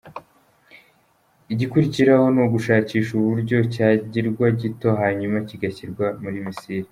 Igikurikiraho ni ugushakisha uburyo cyagirwa gito hanyuma kigashyirwa muri Missile .